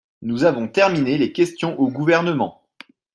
Nous avons terminé les questions au Gouvernement.